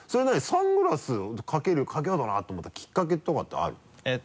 サングラスかけようかなと思ったきっかけとかってあるの？